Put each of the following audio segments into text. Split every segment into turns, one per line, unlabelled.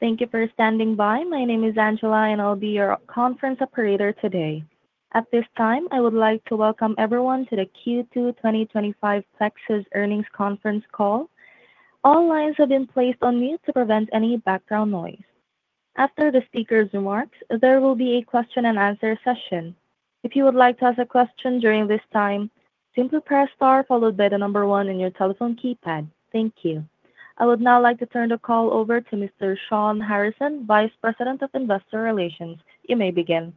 Thank you for standing by. My name is Angela, and I'll be your conference operator today. At this time, I would like to welcome everyone to the Q2 2025 Plexus Earnings Conference call. All lines have been placed on mute to prevent any background noise. After the speaker's remarks, there will be a question-and-answer session. If you would like to ask a question during this time, simply press star followed by the number one on your telephone keypad. Thank you. I would now like to turn the call over to Mr. Shawn Harrison, Vice President of Investor Relations. You may begin.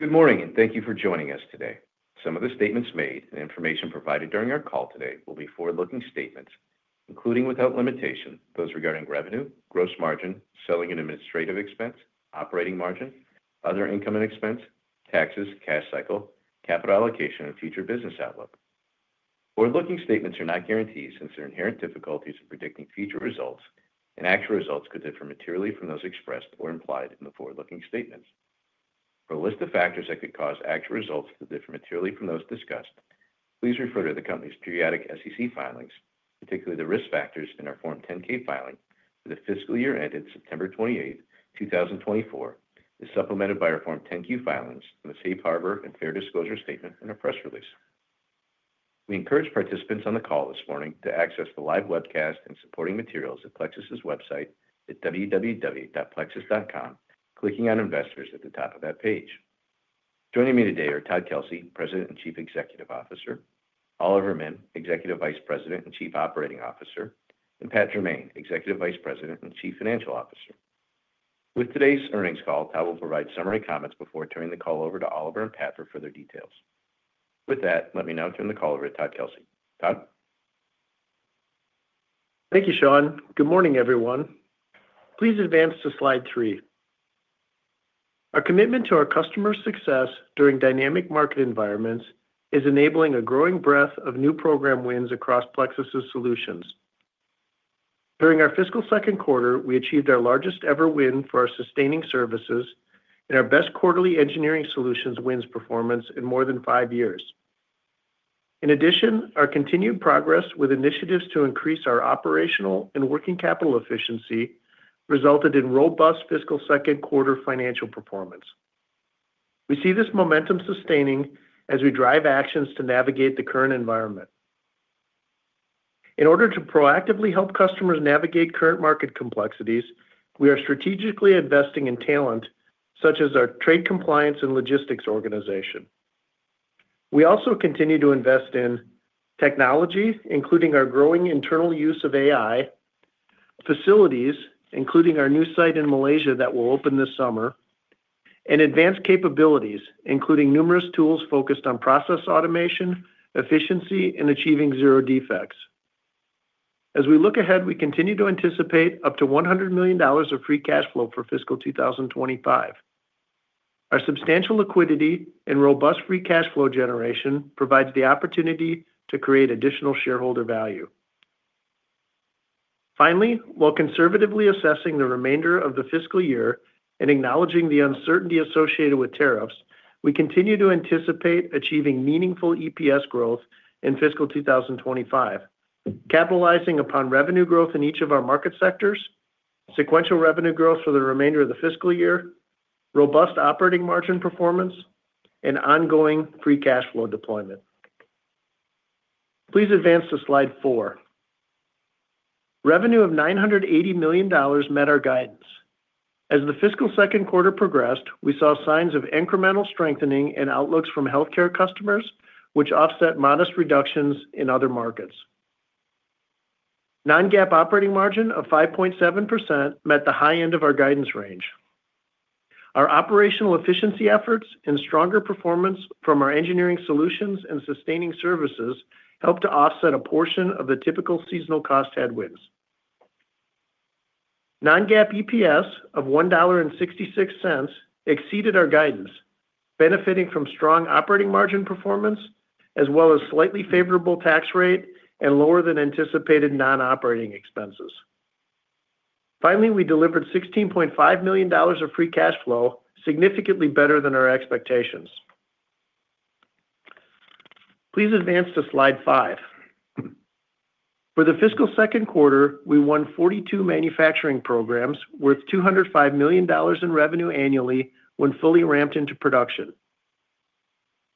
Good morning, and thank you for joining us today. Some of the statements made and information provided during our call today will be forward-looking statements, including without limitation, those regarding revenue, gross margin, selling and administrative expense, operating margin, other income and expense, taxes, cash cycle, capital allocation, and future business outlook. Forward-looking statements are not guarantees since there are inherent difficulties in predicting future results, and actual results could differ materially from those expressed or implied in the forward-looking statements. For a list of factors that could cause actual results to differ materially from those discussed, please refer to the company's periodic SEC filings, particularly the risk factors in our Form 10-K filing for the fiscal year ended September 28, 2024, as supplemented by our Form 10-Q filings in the Safe Harbor and Fair Disclosure Statement and our press release. We encourage participants on the call this morning to access the live webcast and supporting materials at Plexus' website at www.plexus.com, clicking on Investors at the top of that page. Joining me today are Todd Kelsey, President and Chief Executive Officer; Oliver Mihm, Executive Vice President and Chief Operating Officer; and Pat Jermain, Executive Vice President and Chief Financial Officer. With today's earnings call, Todd will provide summary comments before turning the call over to Oliver and Pat for further details. With that, let me now turn the call over to Todd Kelsey. Todd?
Thank you, Shawn. Good morning, everyone. Please advance to slide three. Our commitment to our customers' success during dynamic market environments is enabling a growing breadth of new program wins across Plexus' solutions. During our fiscal second quarter, we achieved our largest-ever win for our sustaining services and our best quarterly engineering solutions wins performance in more than five years. In addition, our continued progress with initiatives to increase our operational and working capital efficiency resulted in robust fiscal second quarter financial performance. We see this momentum sustaining as we drive actions to navigate the current environment. In order to proactively help customers navigate current market complexities, we are strategically investing in talent, such as our trade compliance and logistics organization. We also continue to invest in technology, including our growing internal use of AI; facilities, including our new site in Malaysia that will open this summer; and advanced capabilities, including numerous tools focused on process automation, efficiency, and achieving zero defects. As we look ahead, we continue to anticipate up to $100 million of free cash flow for fiscal 2025. Our substantial liquidity and robust free cash flow generation provides the opportunity to create additional shareholder value. Finally, while conservatively assessing the remainder of the fiscal year and acknowledging the uncertainty associated with tariffs, we continue to anticipate achieving meaningful EPS growth in fiscal 2025, capitalizing upon revenue growth in each of our market sectors, sequential revenue growth for the remainder of the fiscal year, robust operating margin performance, and ongoing free cash flow deployment. Please advance to slide four. Revenue of $980 million met our guidance. As the fiscal second quarter progressed, we saw signs of incremental strengthening in outlooks from healthcare customers, which offset modest reductions in other markets. Non-GAAP operating margin of 5.7% met the high end of our guidance range. Our operational efficiency efforts and stronger performance from our engineering solutions and sustaining services helped to offset a portion of the typical seasonal cost headwinds. Non-GAAP EPS of $1.66 exceeded our guidance, benefiting from strong operating margin performance as well as slightly favorable tax rate and lower-than-anticipated non-operating expenses. Finally, we delivered $16.5 million of free cash flow, significantly better than our expectations. Please advance to slide five. For the fiscal second quarter, we won 42 manufacturing programs worth $205 million in revenue annually when fully ramped into production.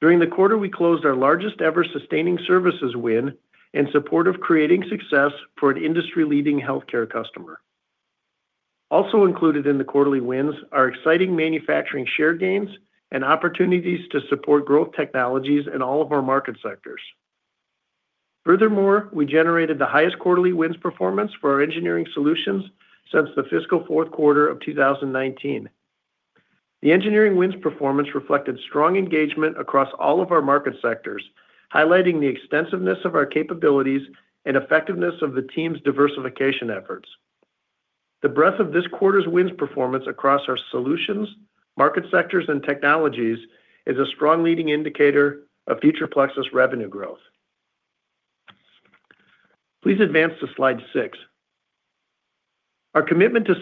During the quarter, we closed our largest-ever sustaining services win in support of creating success for an industry-leading healthcare customer. Also included in the quarterly wins are exciting manufacturing share gains and opportunities to support growth technologies in all of our market sectors. Furthermore, we generated the highest quarterly wins performance for our engineering solutions since the fiscal fourth quarter of 2019. The engineering wins performance reflected strong engagement across all of our market sectors, highlighting the extensiveness of our capabilities and effectiveness of the team's diversification efforts. The breadth of this quarter's wins performance across our solutions, market sectors, and technologies is a strong leading indicator of future Plexus revenue growth. Please advance to slide six. Our commitment to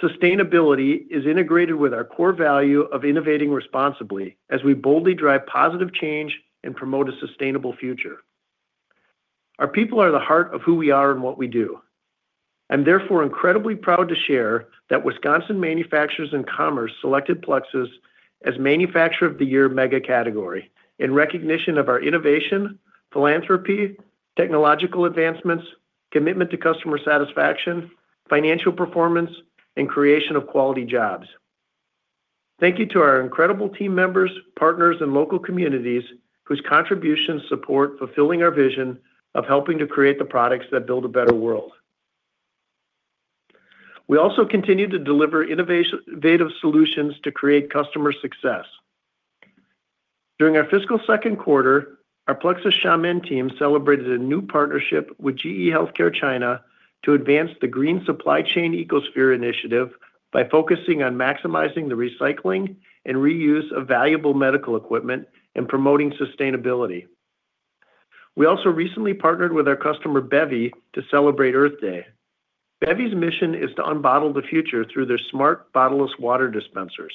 sustainability is integrated with our core value of innovating responsibly as we boldly drive positive change and promote a sustainable future. Our people are the heart of who we are and what we do. I'm therefore incredibly proud to share that Wisconsin Manufacturers and Commerce selected Plexus as Manufacturer of the Year mega category in recognition of our innovation, philanthropy, technological advancements, commitment to customer satisfaction, financial performance, and creation of quality jobs. Thank you to our incredible team members, partners, and local communities whose contributions support fulfilling our vision of helping to create the products that build a better world. We also continue to deliver innovative solutions to create customer success. During our fiscal second quarter, our Plexus Shawn Harrison team celebrated a new partnership with GE Healthcare China to advance the Green Supply Chain Ecosphere initiative by focusing on maximizing the recycling and reuse of valuable medical equipment and promoting sustainability. We also recently partnered with our customer Bevi to celebrate Earth Day. Bevi's mission is to unbottle the future through their smart bottle-less water dispensers.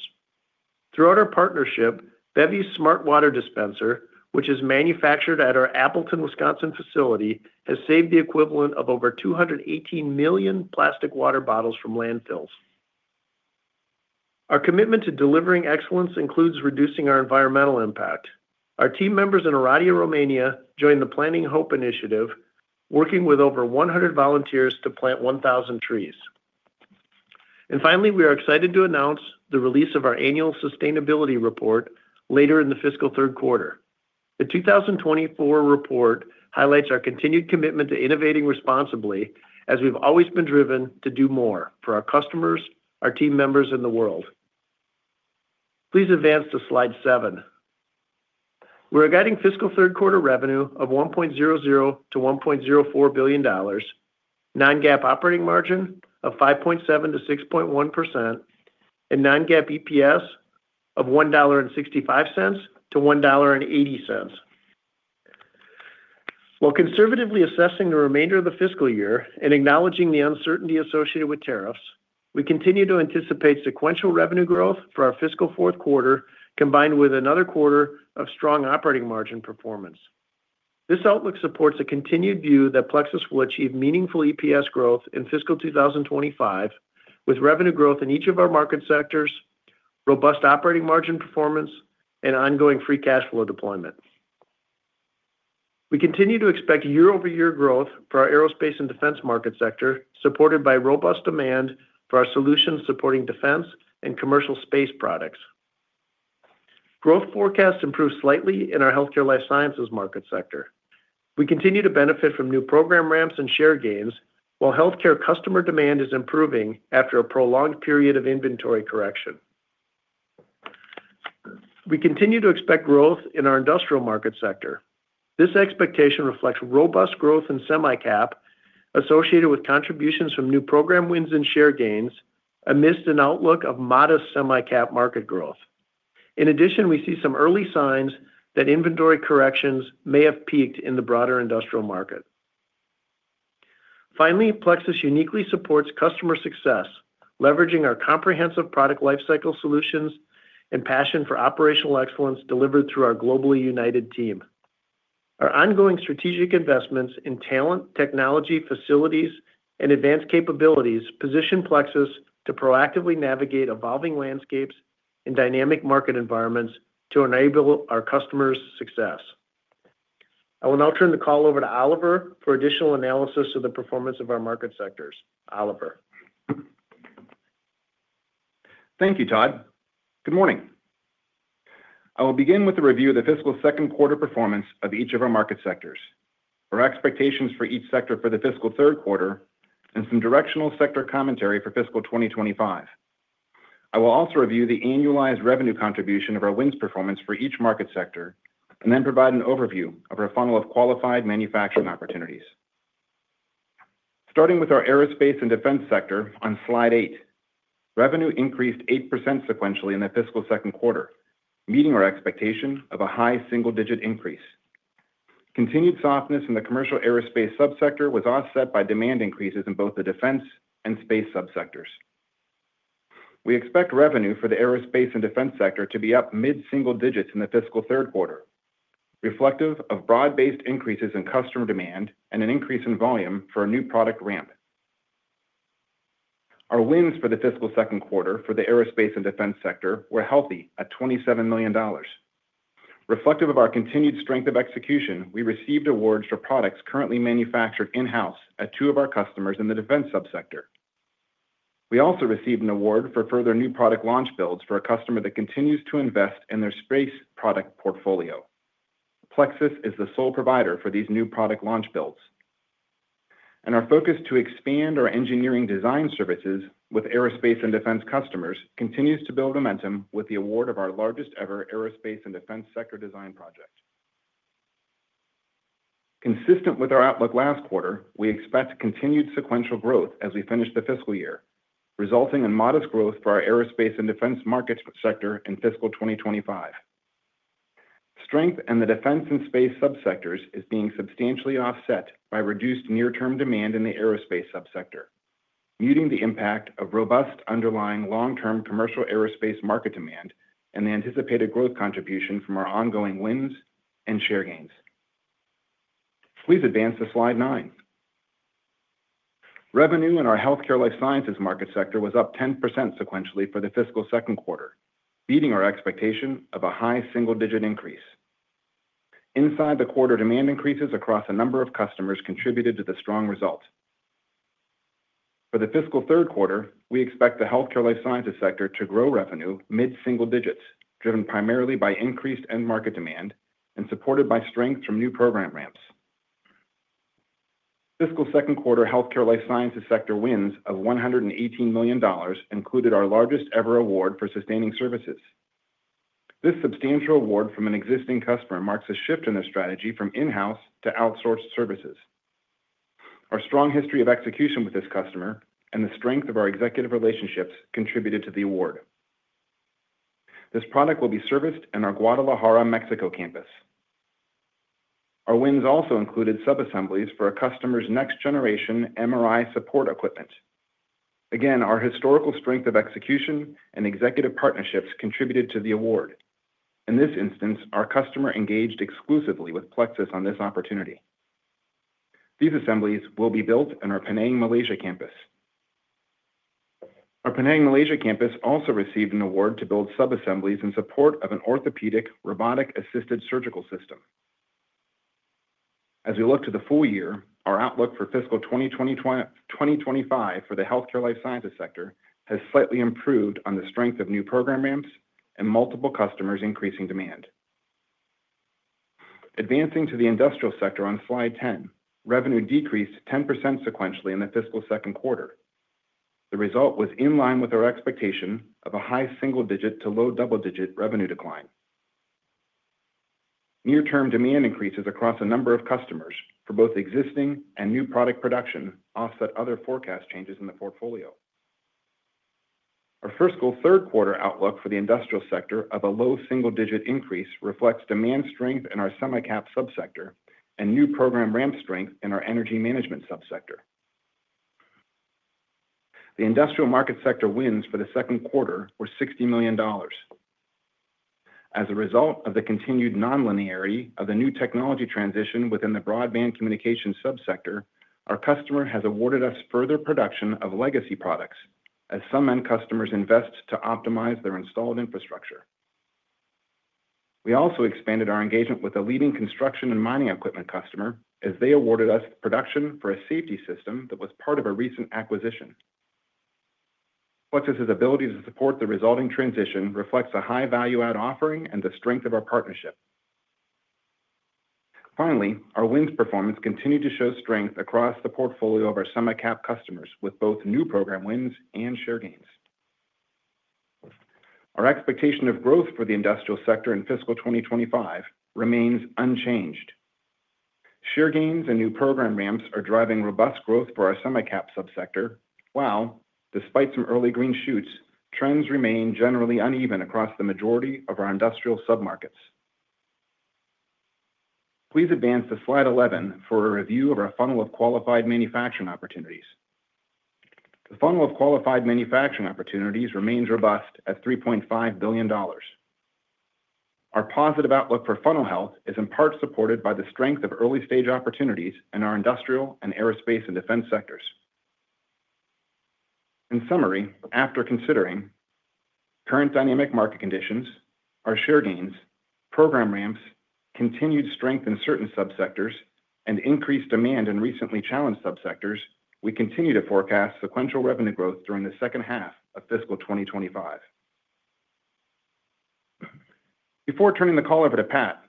Throughout our partnership, Bevi smart water dispenser, which is manufactured at our Appleton, Wisconsin facility, has saved the equivalent of over 218 million plastic water bottles from landfills. Our commitment to delivering excellence includes reducing our environmental impact. Our team members in Oradea, Romania, joined the Planting Hope initiative, working with over 100 volunteers to plant 1,000 trees. Finally, we are excited to announce the release of our annual sustainability report later in the fiscal third quarter. The 2024 report highlights our continued commitment to innovating responsibly as we've always been driven to do more for our customers, our team members, and the world. Please advance to slide seven. We're guiding fiscal third quarter revenue of $1.00-$1.04 billion, non-GAAP operating margin of 5.7-6.1%, and non-GAAP EPS of $1.65-$1.80. While conservatively assessing the remainder of the fiscal year and acknowledging the uncertainty associated with tariffs, we continue to anticipate sequential revenue growth for our fiscal fourth quarter combined with another quarter of strong operating margin performance. This outlook supports a continued view that Plexus will achieve meaningful EPS growth in fiscal 2025 with revenue growth in each of our market sectors, robust operating margin performance, and ongoing free cash flow deployment. We continue to expect year-over-year growth for our aerospace and defense market sector, supported by robust demand for our solutions supporting defense and commercial space products. Growth forecasts improved slightly in our healthcare life sciences market sector. We continue to benefit from new program ramps and share gains, while healthcare customer demand is improving after a prolonged period of inventory correction. We continue to expect growth in our industrial market sector. This expectation reflects robust growth in semi-cap associated with contributions from new program wins and share gains, amidst an outlook of modest semi-cap market growth. In addition, we see some early signs that inventory corrections may have peaked in the broader industrial market. Finally, Plexus uniquely supports customer success, leveraging our comprehensive product lifecycle solutions and passion for operational excellence delivered through our globally united team. Our ongoing strategic investments in talent, technology, facilities, and advanced capabilities position Plexus to proactively navigate evolving landscapes and dynamic market environments to enable our customers' success. I will now turn the call over to Oliver for additional analysis of the performance of our market sectors. Oliver.
Thank you, Todd. Good morning. I will begin with a review of the fiscal second quarter performance of each of our market sectors, our expectations for each sector for the fiscal third quarter, and some directional sector commentary for fiscal 2025. I will also review the annualized revenue contribution of our wins performance for each market sector and then provide an overview of our funnel of qualified manufacturing opportunities. Starting with our aerospace and defense sector on slide eight, revenue increased 8% sequentially in the fiscal second quarter, meeting our expectation of a high single-digit increase. Continued softness in the commercial aerospace subsector was offset by demand increases in both the defense and space subsectors. We expect revenue for the aerospace and defense sector to be up mid-single digits in the fiscal third quarter, reflective of broad-based increases in customer demand and an increase in volume for a new product ramp. Our wins for the fiscal second quarter for the aerospace and defense sector were healthy at $27 million. Reflective of our continued strength of execution, we received awards for products currently manufactured in-house at two of our customers in the defense subsector. We also received an award for further new product launch builds for a customer that continues to invest in their space product portfolio. Plexus is the sole provider for these new product launch builds. Our focus to expand our engineering design services with aerospace and defense customers continues to build momentum with the award of our largest-ever aerospace and defense sector design project. Consistent with our outlook last quarter, we expect continued sequential growth as we finish the fiscal year, resulting in modest growth for our aerospace and defense market sector in fiscal 2025. Strength in the defense and space subsectors is being substantially offset by reduced near-term demand in the aerospace subsector, muting the impact of robust underlying long-term commercial aerospace market demand and the anticipated growth contribution from our ongoing wins and share gains. Please advance to slide nine. Revenue in our healthcare life sciences market sector was up 10% sequentially for the fiscal second quarter, beating our expectation of a high single-digit increase. Inside the quarter, demand increases across a number of customers contributed to the strong result. For the fiscal third quarter, we expect the healthcare life sciences sector to grow revenue mid-single digits, driven primarily by increased end market demand and supported by strength from new program ramps. Fiscal second quarter healthcare life sciences sector wins of $118 million included our largest-ever award for sustaining services. This substantial award from an existing customer marks a shift in their strategy from in-house to outsourced services. Our strong history of execution with this customer and the strength of our executive relationships contributed to the award. This product will be serviced in our Guadalajara, Mexico campus. Our wins also included sub-assemblies for a customer's next-generation MRI support equipment. Again, our historical strength of execution and executive partnerships contributed to the award. In this instance, our customer engaged exclusively with Plexus on this opportunity. These assemblies will be built in our Penang, Malaysia campus. Our Penang, Malaysia campus also received an award to build sub-assemblies in support of an orthopedic robotic-assisted surgical system. As we look to the full year, our outlook for fiscal 2025 for the healthcare life sciences sector has slightly improved on the strength of new program ramps and multiple customers' increasing demand. Advancing to the industrial sector on slide 10, revenue decreased 10% sequentially in the fiscal second quarter. The result was in line with our expectation of a high single-digit to low double-digit revenue decline. Near-term demand increases across a number of customers for both existing and new product production offset other forecast changes in the portfolio. Our fiscal third quarter outlook for the industrial sector of a low single-digit increase reflects demand strength in our semi-cap subsector and new program ramp strength in our energy management subsector. The industrial market sector wins for the second quarter were $60 million. As a result of the continued non-linearity of the new technology transition within the broadband communication subsector, our customer has awarded us further production of legacy products as some end customers invest to optimize their installed infrastructure. We also expanded our engagement with a leading construction and mining equipment customer as they awarded us production for a safety system that was part of a recent acquisition. Plexus's ability to support the resulting transition reflects a high value-add offering and the strength of our partnership. Finally, our wins performance continued to show strength across the portfolio of our semi-cap customers with both new program wins and share gains. Our expectation of growth for the industrial sector in fiscal 2025 remains unchanged. Share gains and new program ramps are driving robust growth for our semi-cap subsector, while despite some early green shoots, trends remain generally uneven across the majority of our industrial submarkets. Please advance to slide 11 for a review of our funnel of qualified manufacturing opportunities. The funnel of qualified manufacturing opportunities remains robust at $3.5 billion. Our positive outlook for funnel health is in part supported by the strength of early-stage opportunities in our industrial and aerospace and defense sectors. In summary, after considering current dynamic market conditions, our share gains, program ramps, continued strength in certain subsectors, and increased demand in recently challenged subsectors, we continue to forecast sequential revenue growth during the second half of fiscal 2025. Before turning the call over to Pat,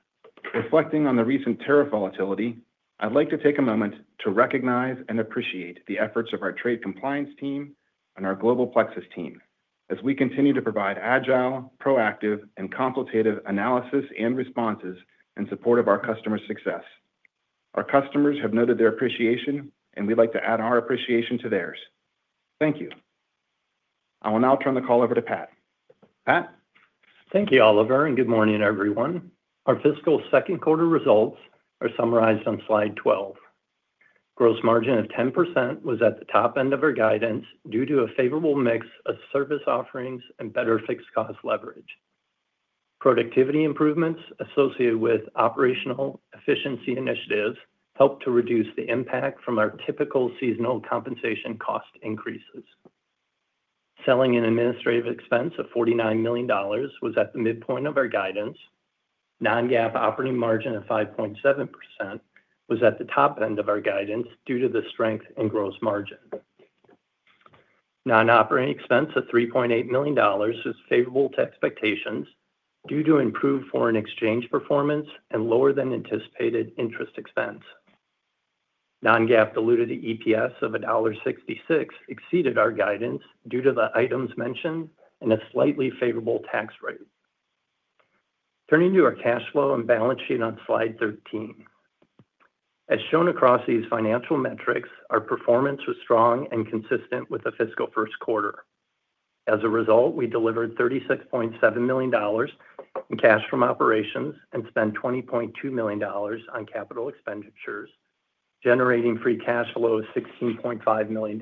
reflecting on the recent tariff volatility, I'd like to take a moment to recognize and appreciate the efforts of our trade compliance team and our global Plexus team as we continue to provide agile, proactive, and consultative analysis and responses in support of our customer success. Our customers have noted their appreciation, and we'd like to add our appreciation to theirs. Thank you. I will now turn the call over to Pat. Pat.
Thank you, Oliver, and good morning, everyone. Our fiscal second quarter results are summarized on slide 12. Gross margin of 10% was at the top end of our guidance due to a favorable mix of service offerings and better fixed cost leverage. Productivity improvements associated with operational efficiency initiatives helped to reduce the impact from our typical seasonal compensation cost increases. Selling and administrative expense of $49 million was at the midpoint of our guidance. Non-GAAP operating margin of 5.7% was at the top end of our guidance due to the strength in gross margin. Non-operating expense of $3.8 million was favorable to expectations due to improved foreign exchange performance and lower than anticipated interest expense. Non-GAAP diluted EPS of $1.66 exceeded our guidance due to the items mentioned and a slightly favorable tax rate. Turning to our cash flow and balance sheet on slide 13. As shown across these financial metrics, our performance was strong and consistent with the fiscal first quarter. As a result, we delivered $36.7 million in cash from operations and spent $20.2 million on capital expenditures, generating free cash flow of $16.5 million.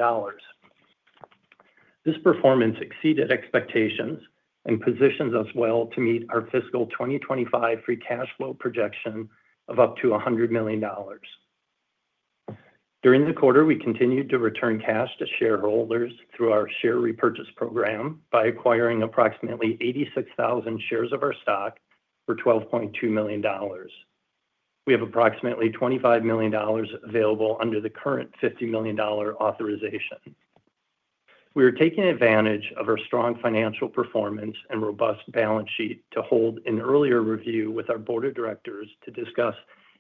This performance exceeded expectations and positions us well to meet our fiscal 2025 free cash flow projection of up to $100 million. During the quarter, we continued to return cash to shareholders through our share repurchase program by acquiring approximately 86,000 shares of our stock for $12.2 million. We have approximately $25 million available under the current $50 million authorization. We are taking advantage of our strong financial performance and robust balance sheet to hold an earlier review with our board of directors to discuss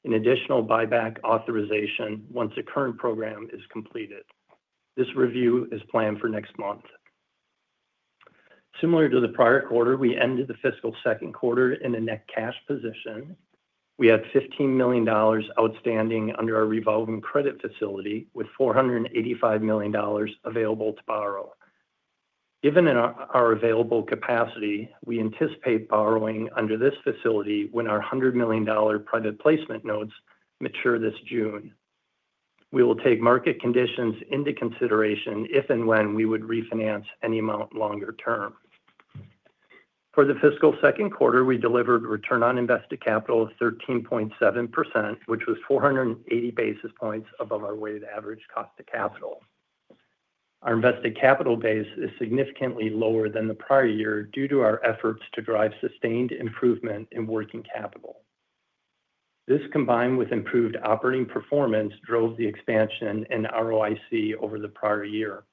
an additional buyback authorization once the current program is completed. This review is planned for next month. Similar to the prior quarter, we ended the fiscal second quarter in a net cash position. We have $15 million outstanding under our revolving credit facility with $485 million available to borrow. Given our available capacity, we anticipate borrowing under this facility when our $100 million private placement notes mature this June. We will take market conditions into consideration if and when we would refinance any amount longer term. For the fiscal second quarter, we delivered return on invested capital of 13.7%, which was 480 basis points above our weighted average cost of capital. Our invested capital base is significantly lower than the prior year due to our efforts to drive sustained improvement in working capital. This, combined with improved operating performance, drove the expansion in ROIC over the prior year.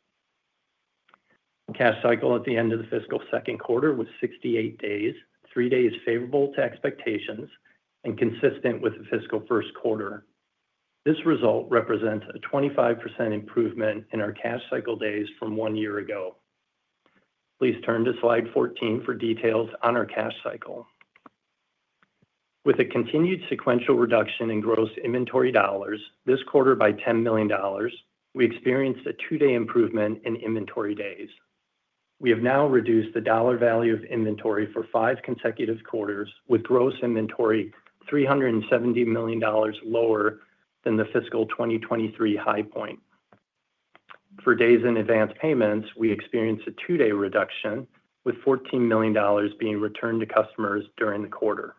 Cash cycle at the end of the fiscal second quarter was 68 days, three days favorable to expectations and consistent with the fiscal first quarter. This result represents a 25% improvement in our cash cycle days from one year ago. Please turn to slide 14 for details on our cash cycle. With a continued sequential reduction in gross inventory dollars this quarter by $10 million, we experienced a two-day improvement in inventory days. We have now reduced the dollar value of inventory for five consecutive quarters, with gross inventory $370 million lower than the fiscal 2023 high point. For days in advance payments, we experienced a two-day reduction, with $14 million being returned to customers during the quarter.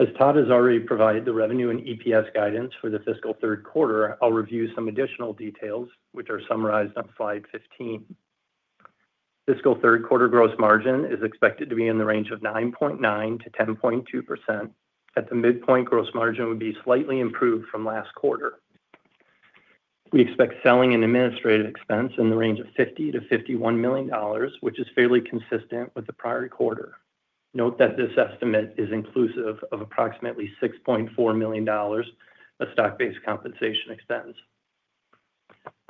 As Todd has already provided the revenue and EPS guidance for the fiscal third quarter, I'll review some additional details, which are summarized on slide 15. Fiscal third quarter gross margin is expected to be in the range of 9.9-10.2%. At the midpoint, gross margin would be slightly improved from last quarter. We expect selling and administrative expense in the range of $50-$51 million, which is fairly consistent with the prior quarter. Note that this estimate is inclusive of approximately $6.4 million of stock-based compensation expense.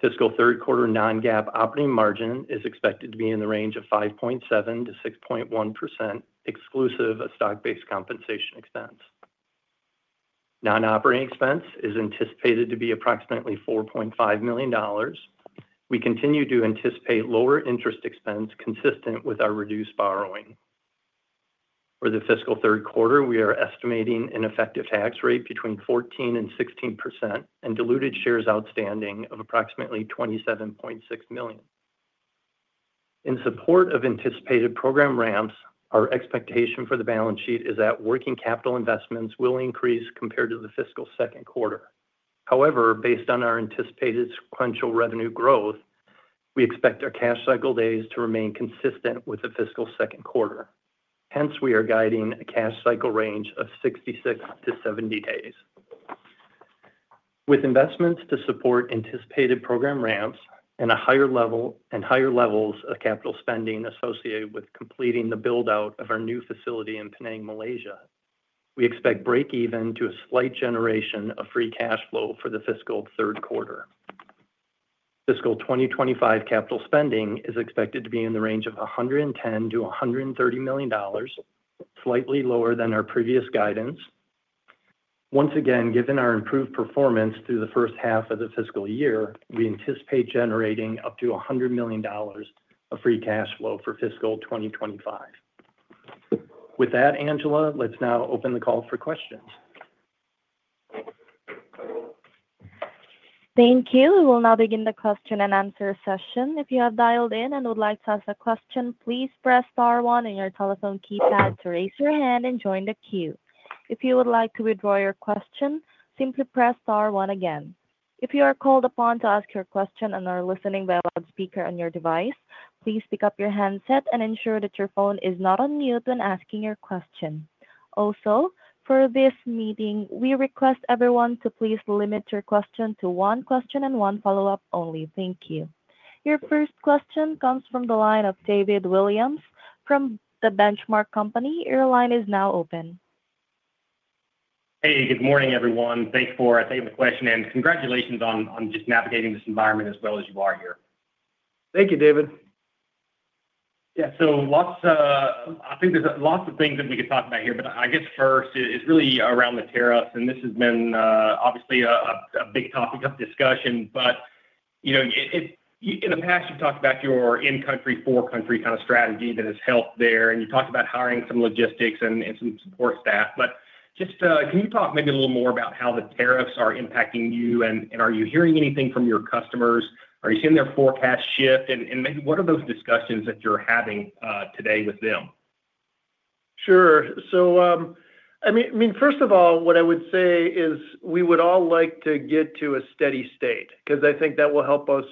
Fiscal third quarter non-GAAP operating margin is expected to be in the range of 5.7-6.1% exclusive of stock-based compensation expense. Non-operating expense is anticipated to be approximately $4.5 million. We continue to anticipate lower interest expense consistent with our reduced borrowing. For the fiscal third quarter, we are estimating an effective tax rate between 14% and 16% and diluted shares outstanding of approximately 27.6 million. In support of anticipated program ramps, our expectation for the balance sheet is that working capital investments will increase compared to the fiscal second quarter. However, based on our anticipated sequential revenue growth, we expect our cash cycle days to remain consistent with the fiscal second quarter. Hence, we are guiding a cash cycle range of 66-70 days. With investments to support anticipated program ramps and higher levels of capital spending associated with completing the build-out of our new facility in Penang, Malaysia, we expect break-even to a slight generation of free cash flow for the fiscal third quarter. Fiscal 2025 capital spending is expected to be in the range of $110-$130 million, slightly lower than our previous guidance. Once again, given our improved performance through the first half of the fiscal year, we anticipate generating up to $100 million of free cash flow for fiscal 2025. With that, Angela, let's now open the call for questions.
Thank you. We will now begin the question and answer session. If you have dialed in and would like to ask a question, please press star one on your telephone keypad to raise your hand and join the queue. If you would like to withdraw your question, simply press star one again. If you are called upon to ask your question and are listening via loudspeaker on your device, please pick up your handset and ensure that your phone is not on mute when asking your question. Also, for this meeting, we request everyone to please limit your question to one question and one follow-up only. Thank you. Your first question comes from the line of David Williams from The Benchmark Company. Your line is now open.
Hey, good morning, everyone. Thanks for taking the question and congratulations on just navigating this environment as well as you are here.
Thank you, David. Yeah, so I think there's lots of things that we could talk about here, but I guess first, it's really around the tariffs, and this has been obviously a big topic of discussion. In the past, you've talked about your in-country, for-country kind of strategy that has helped there, and you talked about hiring some logistics and some support staff. Just can you talk maybe a little more about how the tariffs are impacting you, and are you hearing anything from your customers? Are you seeing their forecast shift? Maybe what are those discussions that you're having today with them? Sure. I mean, first of all, what I would say is we would all like to get to a steady state because I think that will help us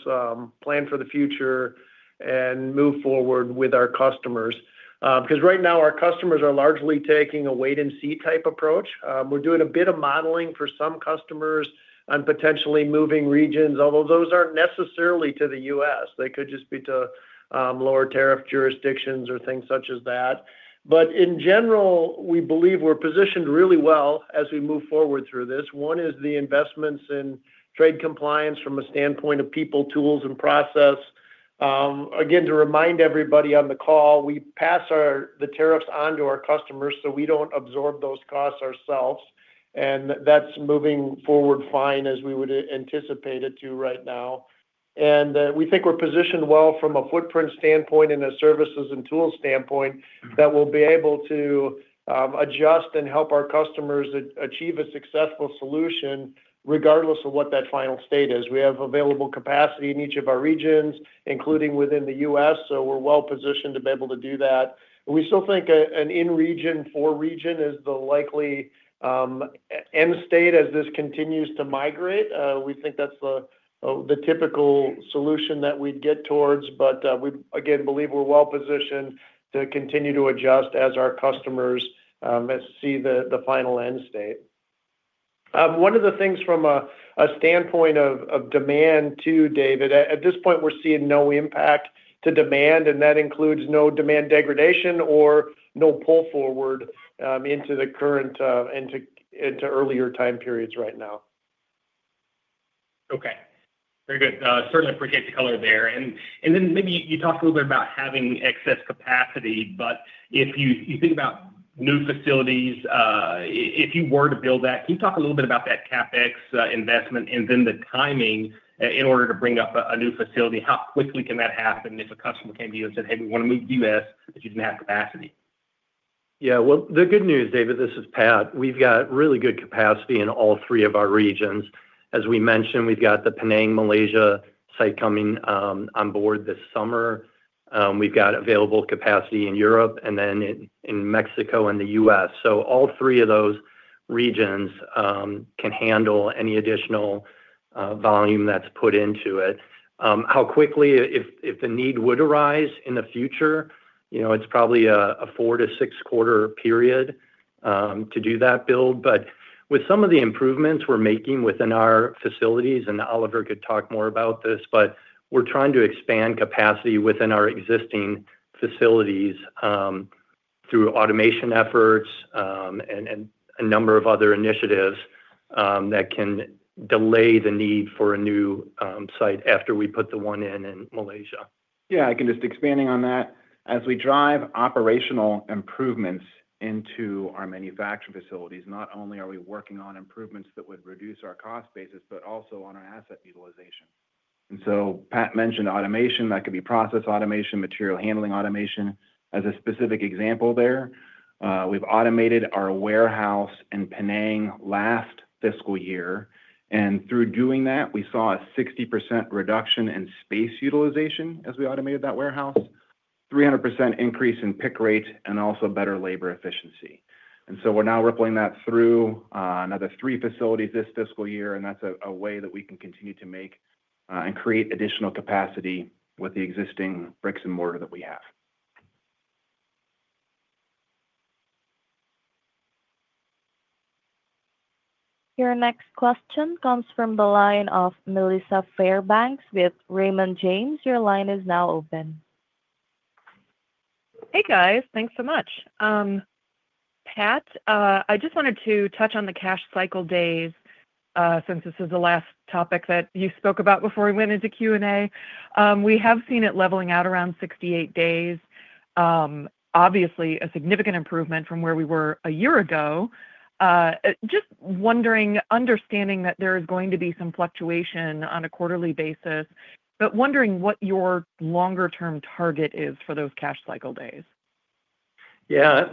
plan for the future and move forward with our customers. Because right now, our customers are largely taking a wait-and-see type approach. We're doing a bit of modeling for some customers on potentially moving regions, although those aren't necessarily to the U.S. They could just be to lower tariff jurisdictions or things such as that. In general, we believe we're positioned really well as we move forward through this. One is the investments in trade compliance from a standpoint of people, tools, and process. Again, to remind everybody on the call, we pass the tariffs on to our customers so we don't absorb those costs ourselves. That's moving forward fine as we would anticipate it to right now. We think we're positioned well from a footprint standpoint and a services and tools standpoint that we'll be able to adjust and help our customers achieve a successful solution regardless of what that final state is. We have available capacity in each of our regions, including within the U.S., so we're well positioned to be able to do that. We still think an in-region, for-region is the likely end state as this continues to migrate. We think that's the typical solution that we'd get towards, but we again believe we're well positioned to continue to adjust as our customers see the final end state. One of the things from a standpoint of demand too, David, at this point, we're seeing no impact to demand, and that includes no demand degradation or no pull forward into the current and to earlier time periods right now.
Okay. Very good. Certainly appreciate the color there. You talked a little bit about having excess capacity, but if you think about new facilities, if you were to build that, can you talk a little bit about that CapEx investment and the timing in order to bring up a new facility? How quickly can that happen if a customer came to you and said, "Hey, we want to move to the US," but you did not have capacity?
Yeah. The good news, David, this is Pat. We've got really good capacity in all three of our regions. As we mentioned, we've got the Penang, Malaysia site coming on board this summer. We've got available capacity in Europe and then in Mexico and the US. All three of those regions can handle any additional volume that's put into it. How quickly, if the need would arise in the future, it's probably a four- to six-quarter period to do that build. With some of the improvements we're making within our facilities, and Oliver could talk more about this, we're trying to expand capacity within our existing facilities through automation efforts and a number of other initiatives that can delay the need for a new site after we put the one in in Malaysia. I can just expand on that. As we drive operational improvements into our manufacturing facilities, not only are we working on improvements that would reduce our cost basis, but also on our asset utilization. Pat mentioned automation. That could be process automation, material handling automation as a specific example there. We've automated our warehouse in Penang last fiscal year. Through doing that, we saw a 60% reduction in space utilization as we automated that warehouse, 300% increase in pick rate, and also better labor efficiency. We're now rippling that through another three facilities this fiscal year, and that's a way that we can continue to make and create additional capacity with the existing bricks and mortar that we have.
Your next question comes from the line of Melissa Fairbanks with Raymond James. Your line is now open.
Hey, guys. Thanks so much. Pat, I just wanted to touch on the cash cycle days since this is the last topic that you spoke about before we went into Q&A. We have seen it leveling out around 68 days. Obviously, a significant improvement from where we were a year ago. Just wondering, understanding that there is going to be some fluctuation on a quarterly basis, but wondering what your longer-term target is for those cash cycle days.
Yeah.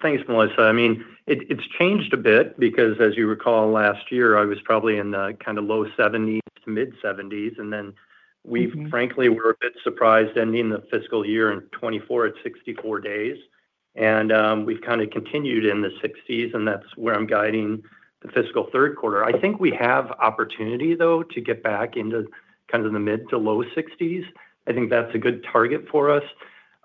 Thanks, Melissa. I mean, it's changed a bit because, as you recall, last year, I was probably in the kind of low 70s to mid-70s. And then we, frankly, were a bit surprised ending the fiscal year in 2024 at 64 days. And we've kind of continued in the 60s, and that's where I'm guiding the fiscal third quarter. I think we have opportunity, though, to get back into kind of the mid to low 60s. I think that's a good target for us.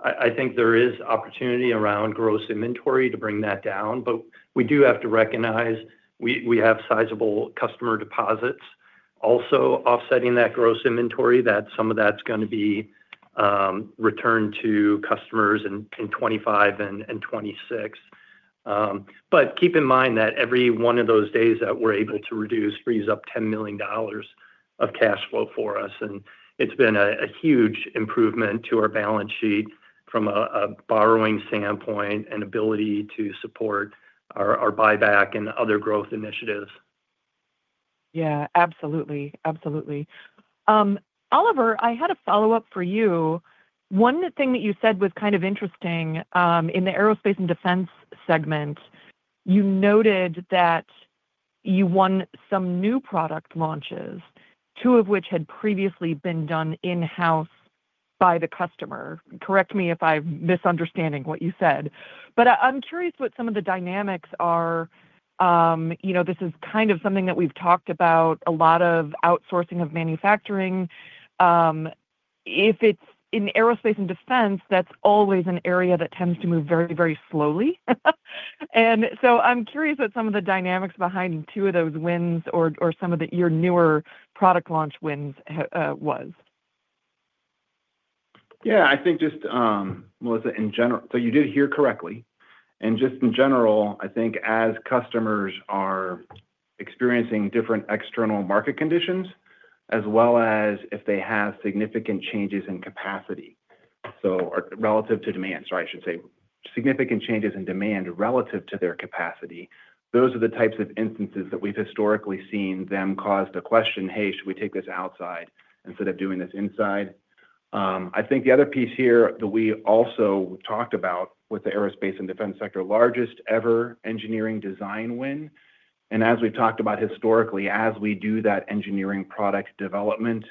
I think there is opportunity around gross inventory to bring that down, but we do have to recognize we have sizable customer deposits. Also, offsetting that gross inventory, that some of that's going to be returned to customers in 2025 and 2026. Keep in mind that every one of those days that we're able to reduce frees up $10 million of cash flow for us. It's been a huge improvement to our balance sheet from a borrowing standpoint and ability to support our buyback and other growth initiatives.
Yeah. Absolutely. Absolutely. Oliver, I had a follow-up for you. One thing that you said was kind of interesting. In the aerospace and defense segment, you noted that you won some new product launches, two of which had previously been done in-house by the customer. Correct me if I'm misunderstanding what you said. I am curious what some of the dynamics are. This is kind of something that we've talked about, a lot of outsourcing of manufacturing. If it's in aerospace and defense, that's always an area that tends to move very, very slowly. I am curious what some of the dynamics behind two of those wins or some of your newer product launch wins was.
Yeah. I think just Melissa in general. You did hear correctly. In general, I think as customers are experiencing different external market conditions, as well as if they have significant changes in capacity, so relative to demand, sorry, I should say, significant changes in demand relative to their capacity, those are the types of instances that we've historically seen them cause the question, "Hey, should we take this outside instead of doing this inside?" I think the other piece here that we also talked about with the aerospace and defense sector, largest ever engineering design win. As we've talked about historically, as we do that engineering product development,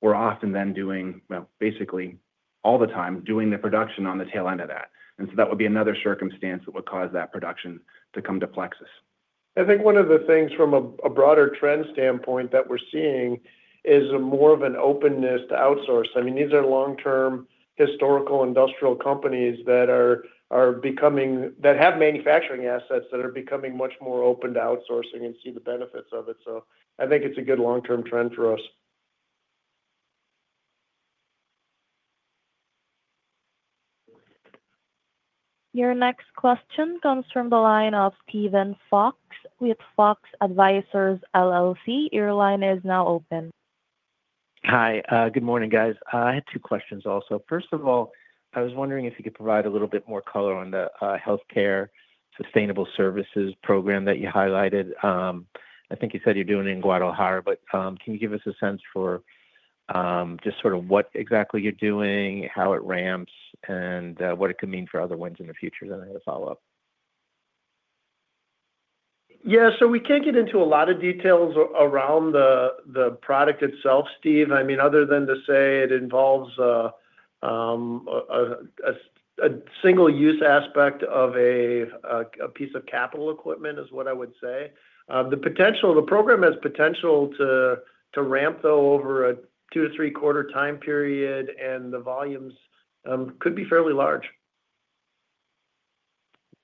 we're often then doing, basically all the time, doing the production on the tail end of that. That would be another circumstance that would cause that production to come to Plexus.
I think one of the things from a broader trend standpoint that we're seeing is more of an openness to outsource. I mean, these are long-term historical industrial companies that have manufacturing assets that are becoming much more open to outsourcing and see the benefits of it. I think it's a good long-term trend for us.
Your next question comes from the line of Steven Fox with Fox Advisors LLC. Your line is now open.
Hi. Good morning, guys. I had two questions also. First of all, I was wondering if you could provide a little bit more color on the healthcare sustaining services program that you highlighted. I think you said you're doing it in Guadalajara, but can you give us a sense for just sort of what exactly you're doing, how it ramps, and what it could mean for other wins in the future that I had a follow-up?
Yeah. We can't get into a lot of details around the product itself, Steve. I mean, other than to say it involves a single-use aspect of a piece of capital equipment is what I would say. The program has potential to ramp, though, over a two to three-quarter time period, and the volumes could be fairly large.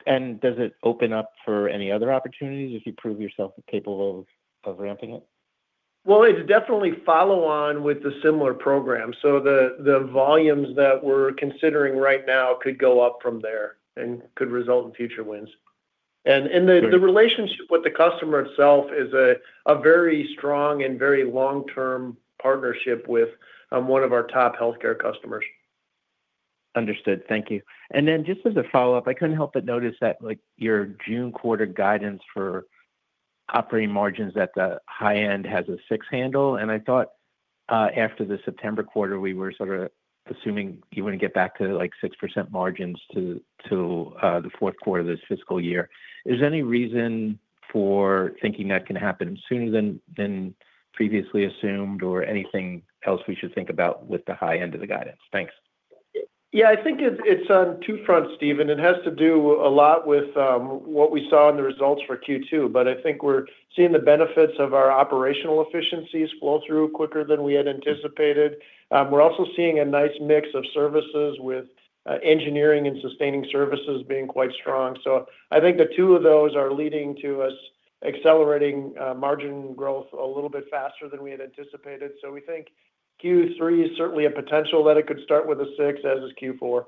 Does it open up for any other opportunities if you prove yourself capable of ramping it?
It is definitely follow-on with a similar program. The volumes that we are considering right now could go up from there and could result in future wins. The relationship with the customer itself is a very strong and very long-term partnership with one of our top healthcare customers.
Understood. Thank you. Just as a follow-up, I couldn't help but notice that your June quarter guidance for operating margins at the high end has a six handle. I thought after the September quarter, we were sort of assuming you wouldn't get back to 6% margins to the fourth quarter of this fiscal year. Is there any reason for thinking that can happen sooner than previously assumed or anything else we should think about with the high end of the guidance? Thanks.
Yeah. I think it's on two fronts, Steven. It has to do a lot with what we saw in the results for Q2, but I think we're seeing the benefits of our operational efficiencies flow through quicker than we had anticipated. We're also seeing a nice mix of services with engineering and sustaining services being quite strong. I think the two of those are leading to us accelerating margin growth a little bit faster than we had anticipated. We think Q3 is certainly a potential that it could start with a six, as is Q4.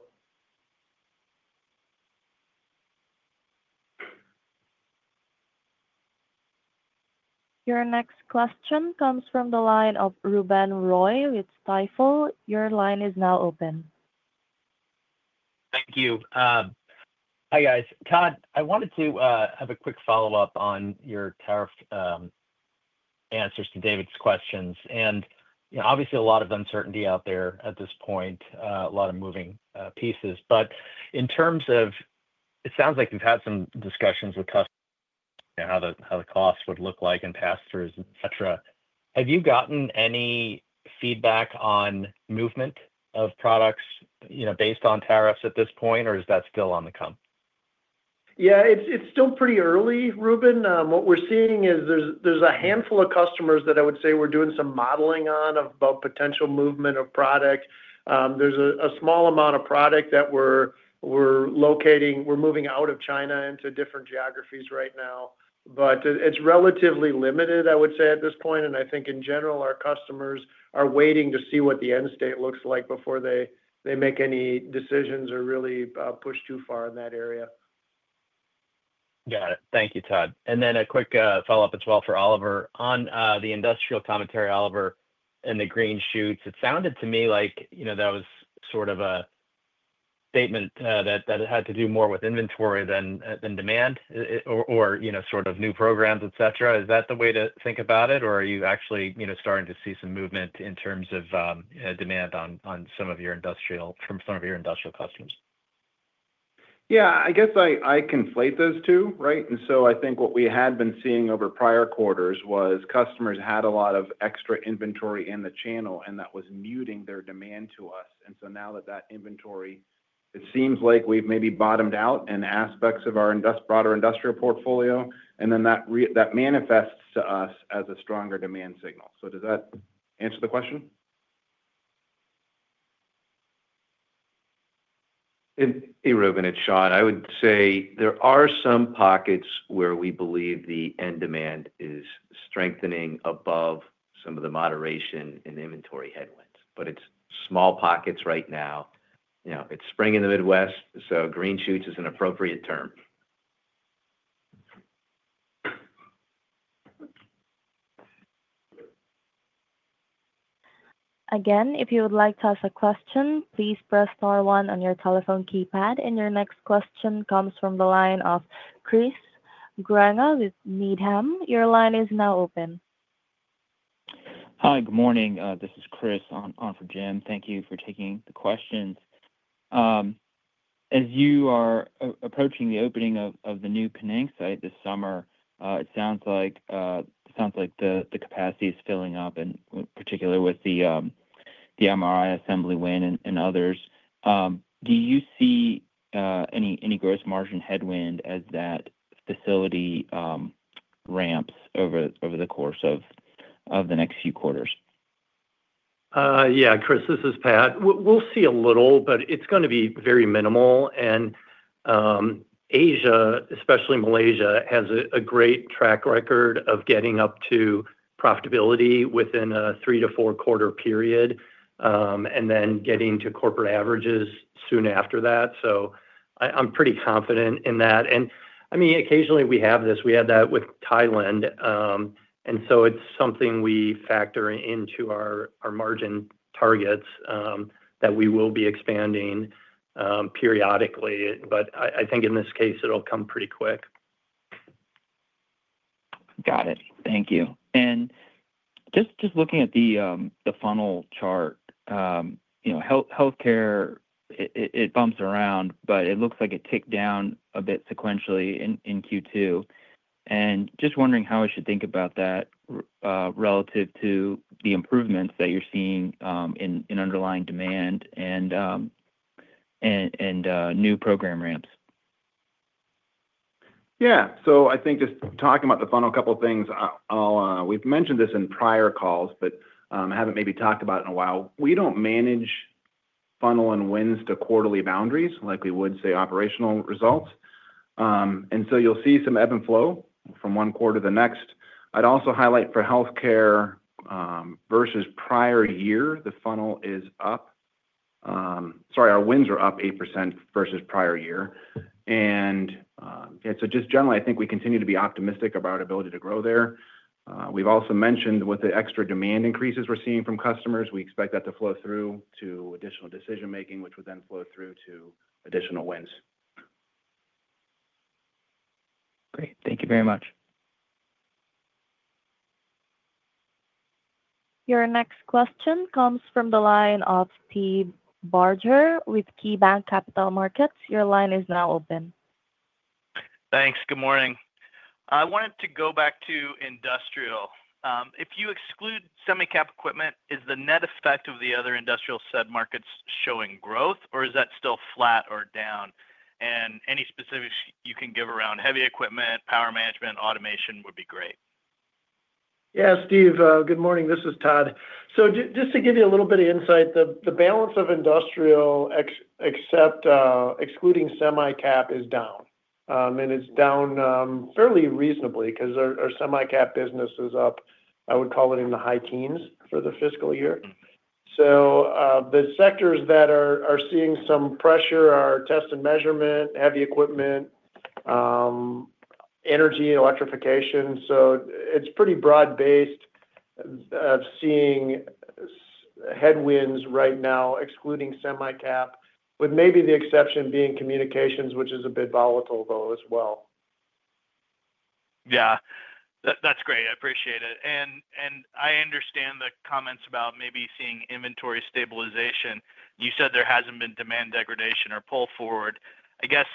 Your next question comes from the line of Ruben Roy with Stifel. Your line is now open.
Thank you. Hi, guys. Todd, I wanted to have a quick follow-up on your tariff answers to David's questions. Obviously, a lot of uncertainty out there at this point, a lot of moving pieces. In terms of it sounds like you've had some discussions with customers about how the cost would look like and pass-throughs, etc. Have you gotten any feedback on movement of products based on tariffs at this point, or is that still on the come?
Yeah. It's still pretty early, Ruben. What we're seeing is there's a handful of customers that I would say we're doing some modeling on about potential movement of product. There's a small amount of product that we're moving out of China into different geographies right now. It's relatively limited, I would say, at this point. I think, in general, our customers are waiting to see what the end state looks like before they make any decisions or really push too far in that area.
Got it. Thank you, Todd. A quick follow-up as well for Oliver. On the industrial commentary, Oliver, and the green shoots, it sounded to me like that was sort of a statement that had to do more with inventory than demand or sort of new programs, etc. Is that the way to think about it, or are you actually starting to see some movement in terms of demand on some of your industrial from some of your industrial customers?
Yeah. I guess I conflate those two, right? I think what we had been seeing over prior quarters was customers had a lot of extra inventory in the channel, and that was muting their demand to us. Now that that inventory, it seems like we've maybe bottomed out in aspects of our broader industrial portfolio, and that manifests to us as a stronger demand signal. Does that answer the question?
Hey, Ruben. It's Shawn. I would say there are some pockets where we believe the end demand is strengthening above some of the moderation and inventory headwinds. But it's small pockets right now. It's spring in the Midwest, so green shoots is an appropriate term.
Again, if you would like to ask a question, please press star one on your telephone keypad. Your next question comes from the line of Chris Pierce with Needham. Your line is now open.
Hi. Good morning. This is Chris on for Jim. Thank you for taking the questions. As you are approaching the opening of the new Penang site this summer, it sounds like the capacity is filling up, and particularly with the MRI assembly win and others. Do you see any gross margin headwind as that facility ramps over the course of the next few quarters?
Yeah. Chris, this is Pat. We'll see a little, but it's going to be very minimal. Asia, especially Malaysia, has a great track record of getting up to profitability within a three to four-quarter period and then getting to corporate averages soon after that. I'm pretty confident in that. I mean, occasionally we have this. We had that with Thailand. It's something we factor into our margin targets that we will be expanding periodically. I think in this case, it'll come pretty quick.
Got it. Thank you. Just looking at the funnel chart, healthcare, it bumps around, but it looks like it ticked down a bit sequentially in Q2. Just wondering how I should think about that relative to the improvements that you're seeing in underlying demand and new program ramps.
Yeah. I think just talking about the funnel, a couple of things. We've mentioned this in prior calls, but haven't maybe talked about it in a while. We don't manage funnel and wins to quarterly boundaries like we would say operational results. You'll see some ebb and flow from one quarter to the next. I'd also highlight for healthcare versus prior year, the funnel is up. Sorry, our wins are up 8% versus prior year. Just generally, I think we continue to be optimistic about our ability to grow there. We've also mentioned with the extra demand increases we're seeing from customers, we expect that to flow through to additional decision-making, which would then flow through to additional wins.
Great. Thank you very much.
Your next question comes from the line of Steve Barger with KeyBanc Capital Markets. Your line is now open.
Thanks. Good morning. I wanted to go back to industrial. If you exclude semi-cap equipment, is the net effect of the other industrial said markets showing growth, or is that still flat or down? Any specifics you can give around heavy equipment, power management, automation would be great.
Yeah. Steve, good morning. This is Todd. Just to give you a little bit of insight, the balance of industrial, excluding semicap, is down. It is down fairly reasonably because our semicap business is up, I would call it in the high teens for the fiscal year. The sectors that are seeing some pressure are test and measurement, heavy equipment, energy, electrification. It is pretty broad-based of seeing headwinds right now, excluding semicap, with maybe the exception being communications, which is a bit volatile though as well.
Yeah. That's great. I appreciate it. I understand the comments about maybe seeing inventory stabilization. You said there hasn't been demand degradation or pull forward. I guess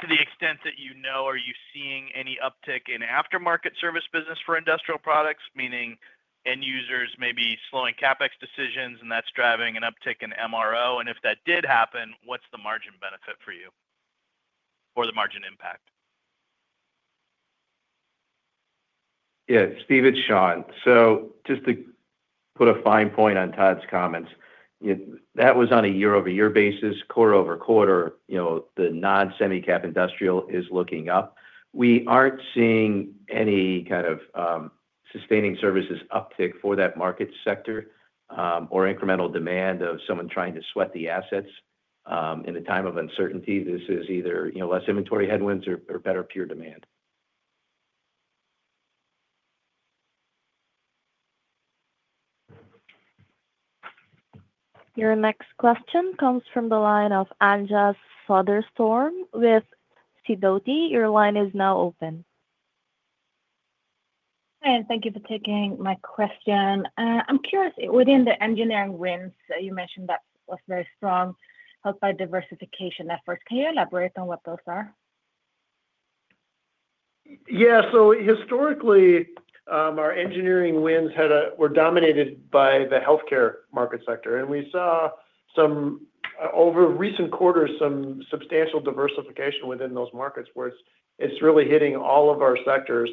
to the extent that you know, are you seeing any uptick in aftermarket service business for industrial products, meaning end users maybe slowing CapEx decisions, and that's driving an uptick in MRO? If that did happen, what's the margin benefit for you or the margin impact?
Yeah. Steve, it's Shawn. Just to put a fine point on Todd's comments, that was on a year-over-year basis. Quarter over quarter, the non-semicap industrial is looking up. We aren't seeing any kind of sustaining services uptick for that market sector or incremental demand of someone trying to sweat the assets in a time of uncertainty. This is either less inventory headwinds or better pure demand.
Your next question comes from the line of Anja Soderstrom with Sidoti & Company. Your line is now open.
Hi. Thank you for taking my question. I'm curious, within the engineering wins, you mentioned that was very strong helped by diversification efforts. Can you elaborate on what those are?
Yeah. Historically, our engineering wins were dominated by the healthcare market sector. We saw over recent quarters some substantial diversification within those markets where it's really hitting all of our sectors.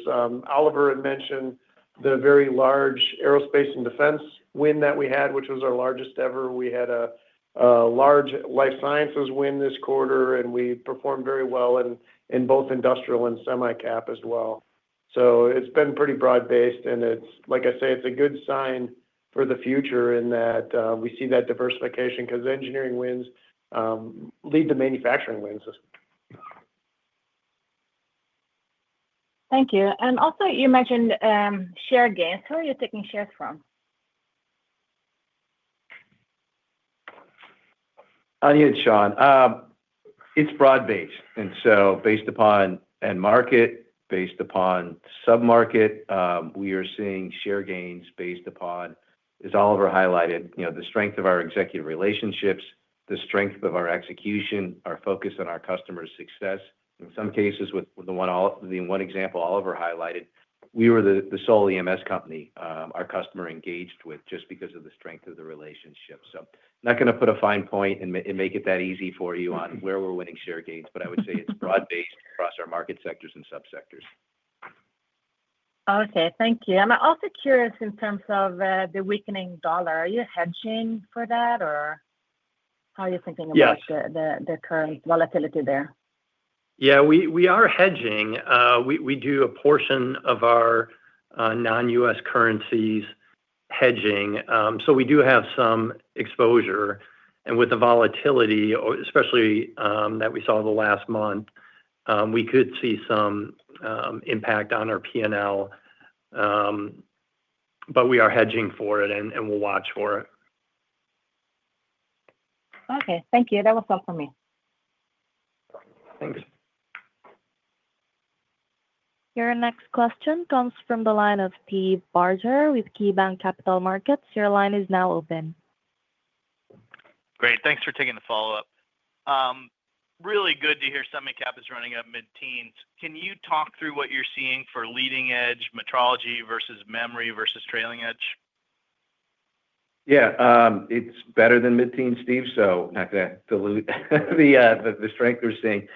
Oliver had mentioned the very large aerospace and defense win that we had, which was our largest ever. We had a large life sciences win this quarter, and we performed very well in both industrial and semicap as well. It's been pretty broad-based. Like I say, it's a good sign for the future in that we see that diversification because engineering wins lead to manufacturing wins.
Thank you. You mentioned share gains. Who are you taking shares from?
On you, Shawn. It's broad-based. Based upon end market, based upon sub-market, we are seeing share gains based upon, as Oliver highlighted, the strength of our executive relationships, the strength of our execution, our focus on our customer success. In some cases, with the one example Oliver highlighted, we were the sole EMS company our customer engaged with just because of the strength of the relationship. I'm not going to put a fine point and make it that easy for you on where we're winning share gains, but I would say it's broad-based across our market sectors and sub-sectors.
Okay. Thank you. I'm also curious in terms of the weakening dollar. Are you hedging for that, or how are you thinking about the current volatility there?
Yeah. We are hedging. We do a portion of our non-US currencies hedging. We do have some exposure. With the volatility, especially that we saw the last month, we could see some impact on our P&L, but we are hedging for it, and we'll watch for it.
Okay. Thank you. That was all for me.
Thanks.
Your next question comes from the line of Steve Barger with KeyBanc Capital Markets. Your line is now open.
Great. Thanks for taking the follow-up. Really good to hear semicap is running up mid-teens. Can you talk through what you're seeing for leading-edge metrology versus memory versus trailing edge?
Yeah. It's better than mid-teens, Steve, so not going to dilute the strength we're seeing.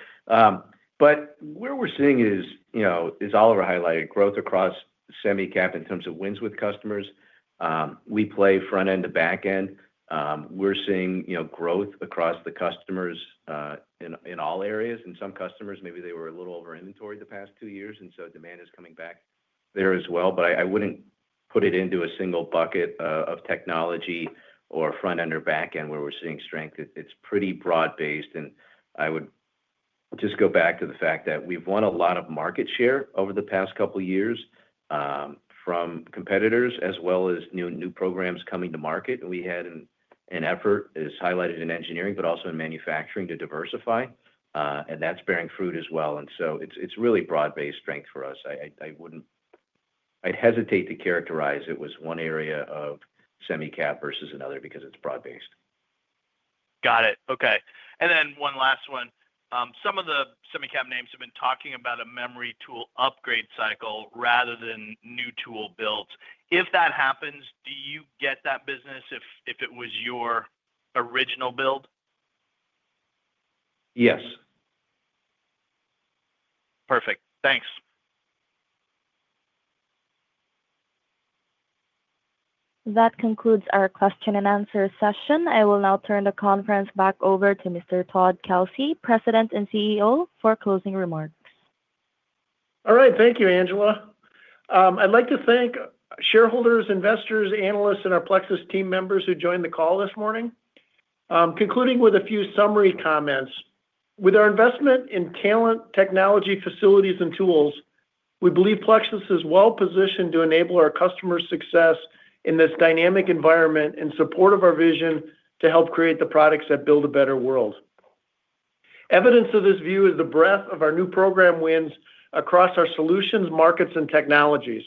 Where we're seeing is, as Oliver highlighted, growth across semicap in terms of wins with customers. We play front-end to back-end. We're seeing growth across the customers in all areas. Some customers, maybe they were a little over-inventoried the past two years, and so demand is coming back there as well. I wouldn't put it into a single bucket of technology or front-end or back-end where we're seeing strength. It's pretty broad-based. I would just go back to the fact that we've won a lot of market share over the past couple of years from competitors as well as new programs coming to market. We had an effort, as highlighted in engineering, but also in manufacturing to diversify. That's bearing fruit as well. It is really broad-based strength for us. I'd hesitate to characterize it as one area of semicap versus another because it's broad-based.
Got it. Okay. One last one. Some of the semicap names have been talking about a memory tool upgrade cycle rather than new tool builds. If that happens, do you get that business if it was your original build?
Yes.
Perfect. Thanks.
That concludes our question and answer session. I will now turn the conference back over to Mr. Todd Kelsey, President and CEO, for closing remarks.
All right. Thank you, Angela. I'd like to thank shareholders, investors, analysts, and our Plexus team members who joined the call this morning, concluding with a few summary comments. With our investment in talent, technology, facilities, and tools, we believe Plexus is well positioned to enable our customers' success in this dynamic environment in support of our vision to help create the products that build a better world. Evidence of this view is the breadth of our new program wins across our solutions, markets, and technologies.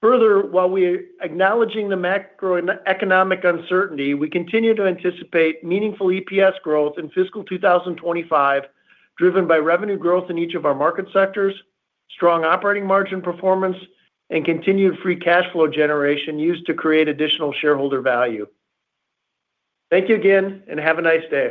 Further, while we are acknowledging the macroeconomic uncertainty, we continue to anticipate meaningful EPS growth in fiscal 2025 driven by revenue growth in each of our market sectors, strong operating margin performance, and continued free cash flow generation used to create additional shareholder value. Thank you again, and have a nice day.